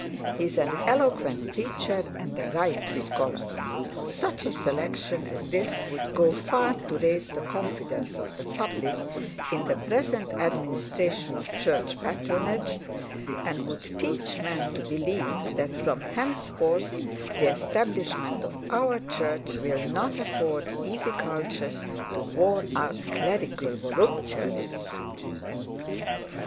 He is an eloquent preacher and a ripe scholar. Such a selection as this would go far to raise the confidence of the public in the present administration of church patronage, and would teach men to believe that from henceforth the establishment of our church will not afford easy couches to worn out clerical voluptuaries.'